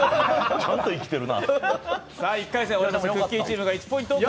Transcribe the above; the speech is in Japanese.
ちゃんと生きてんな。